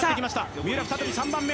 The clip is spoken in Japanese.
三浦、再び３番目。